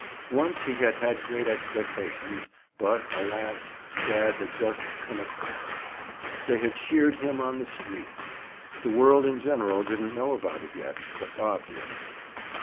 Once he had had great expectations, but alas!—dad had just "come a cropper." They had sheared him on the street. The world in general didn't know about it yet, but Bob did.